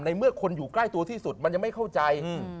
เมื่อคนอยู่ใกล้ตัวที่สุดมันยังไม่เข้าใจ